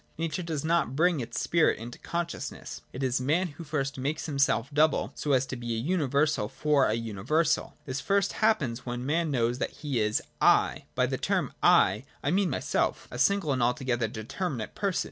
Nature does not bring 48 PRELIMINARY NOTION. [24. its VOV9 into consciousness : it is man who first makes him self double so as to be a universal for a universal. This first happens when man knows that he is ' I.' By the term ' I ' I mean myself, a single and altogether determinate person.